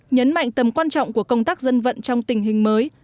nhấn mạnh tầm quan trọng của công tác dân vận trong tình hình mới